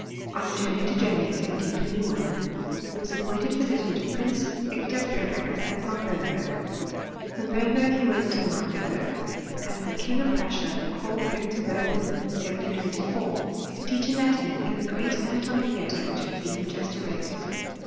On returning to Germany in 1721, he was appointed phy sician to Prince Victor Frederick of Anhalt Bernburg. From Bernburg he went to Magdeburg; and th^ King of Prussia called him to Berlin in 1724, to teacji anatomy in the great anatomic theatre which had been just erected.